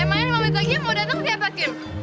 main lima menit lagi mau datang siapa kim